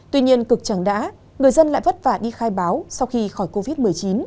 tuy nhiên cực chẳng đã người dân lại vất vả đi khai báo sau khi khỏi covid một mươi chín